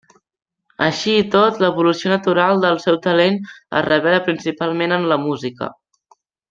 Així i tot, l'evolució natural del seu talent es revela principalment en la música.